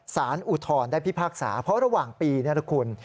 อุทธรณ์ได้พิพากษาเพราะระหว่างปีนี้นะคุณ